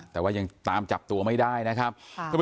แต่ว่ายังตามจับตัวไม่ได้นะครับ